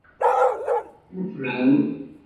北京各界人士希望在宪法中争取确立民权。